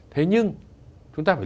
thế nhưng chúng ta phải